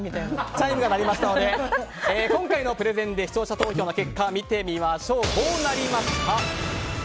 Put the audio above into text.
チャイムが鳴りましたので今回のプレゼンで視聴者投票の結果を見てみましょう。